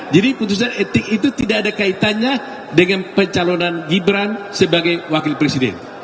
jadi putusan etik itu tidak ada kaitannya dengan pencalonan gibran sebagai wakil presiden